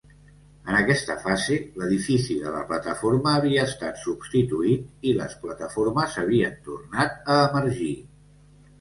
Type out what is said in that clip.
En aquesta fase, l'edifici de la plataforma havia estat substituït i les plataformes havien tornat a emergir.